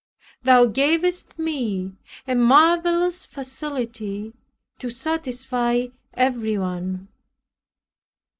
Thou gavest me a marvelous facility to satisfy everyone.